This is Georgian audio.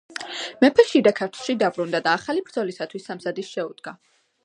მეფე შიდა ქართლში დაბრუნდა და ახალი ბრძოლისათვის სამზადისს შეუდგა.